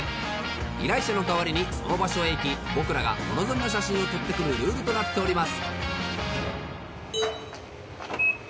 依頼者の代わりにその場所へ行き僕らがお望みの写真を撮ってくるルールとなっております。